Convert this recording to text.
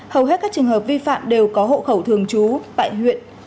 hầu hết các trường hợp vi phạm đều có hộ khẩu thường trú tại huyện